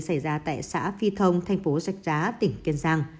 xảy ra tại xã phi thông thành phố sạch giá tỉnh kiên giang